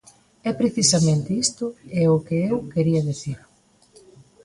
E precisamente isto é o que eu quería dicir.